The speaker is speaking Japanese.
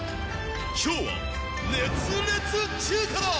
今日は熱烈中華だ。